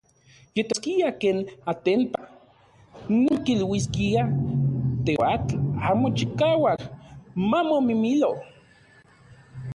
Yetoskia ken, atenpa, nankiluiskiaj teoatl amo chikauak mamomimilo.